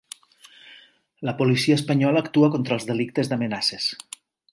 La policia espanyola actua contra els delictes d'amenaces